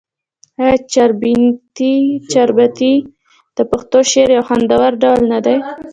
آیا چهاربیتې د پښتو شعر یو خوندور ډول نه دی؟